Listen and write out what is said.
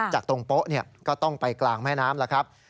จากตรงโป๊ะก็ต้องไปกลางแม่น้ำแล้วครับ